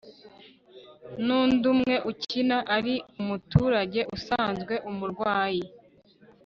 n'undi umwe ukina ari umuturage usanzwe umurwayi